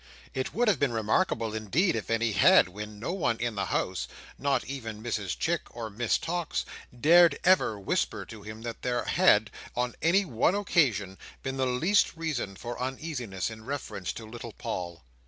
It would have been remarkable, indeed, if any had; when no one in the house—not even Mrs Chick or Miss Tox—dared ever whisper to him that there had, on any one occasion, been the least reason for uneasiness in reference to little Paul.